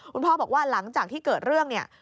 คุณพ่อบอกว่าหลังจากที่เกิดเรื่องเนี่ย